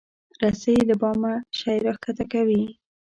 رسۍ له بامه شی راکښته کوي.